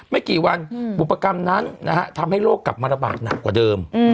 ไม่กี่วันอุปกรรมนั้นทำให้โรคกลับมาระบาดหนักกว่าเดิม